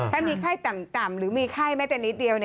ถ้ามีไข้ต่ำหรือมีไข้แม้แต่นิดเดียว